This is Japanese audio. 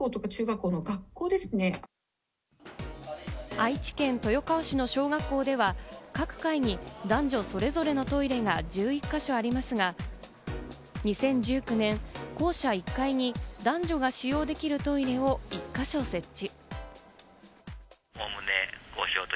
愛知県豊川市の小学校では、各階に男女それぞれのトイレが１１か所ありますが、２０１９年、校舎１階に男女が使用できるトイレを１か所設置。